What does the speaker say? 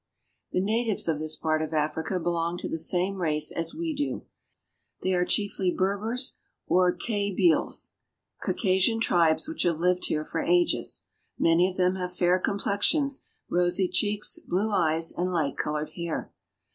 The natives of this part of Africa belong to the same race as we do. They are chiefly Berbers or Kabyles (ka bels' ), Caucasian tribes which have lived here for ages. Many of them have fair complexions, rosy cheeks, blue eyes, and light colored hair.